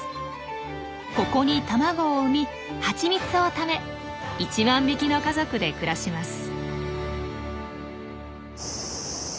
ここに卵を産み蜂蜜をため１万匹の家族で暮らします。